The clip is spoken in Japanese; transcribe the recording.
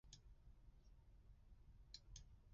あたしのスライダーを信じて